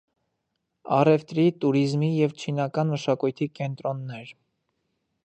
Առևտրի, տուրիզմի և չինական մշակույթի կենտրոններ։